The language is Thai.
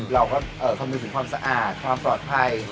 เราก็ทำให้สุดความสะอาดความปลอดภัย